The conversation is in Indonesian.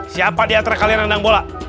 siapa dia terkaliarandang bola